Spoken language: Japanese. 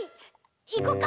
いこっか。